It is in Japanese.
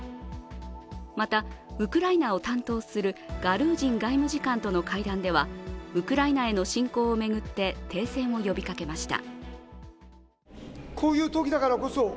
また、ウクライナを担当するガルージン外務次官との会談ではウクライナへの侵攻を巡って停戦を呼びかけました。